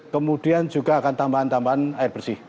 kemudian juga akan tambahan tambahan air bersih